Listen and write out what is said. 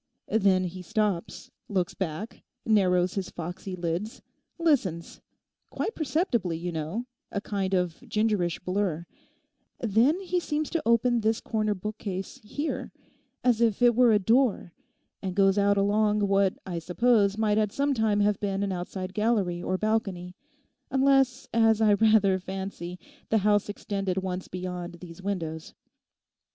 Then he stops, looks back, narrows his foxy lids, listens—quite perceptibly, you know, a kind of gingerish blur; then he seems to open this corner bookcase here, as if it were a door and goes out along what I suppose might at some time have been an outside gallery or balcony, unless, as I rather fancy, the house extended once beyond these windows.